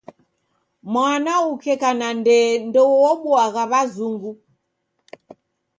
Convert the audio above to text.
Mwana ukeka na ndee ndeuobuagha w'azungu.